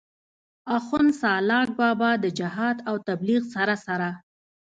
آخون سالاک بابا د جهاد او تبليغ سره سره